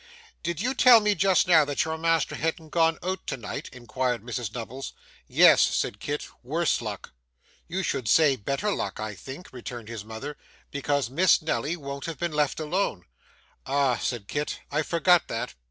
'Did you tell me, just now, that your master hadn't gone out to night?' inquired Mrs Nubbles. 'Yes,' said Kit, 'worse luck!' 'You should say better luck, I think,' returned his mother, 'because Miss Nelly won't have been left alone.' 'Ah!' said Kit, 'I forgot that.